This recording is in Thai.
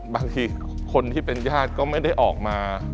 บางทีคนที่เป็นญาติก็ไม่ได้ออกมา